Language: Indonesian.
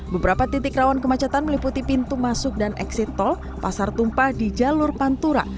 beberapa titik rawan kemacetan meliputi pintu masuk dan exit tol pasar tumpah di jalur pantura